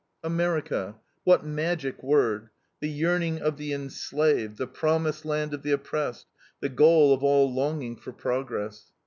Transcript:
America! What magic word. The yearning of the enslaved, the promised land of the oppressed, the goal of all longing for progress.